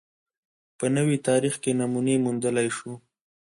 په نوي تاریخ کې نمونې موندلای شو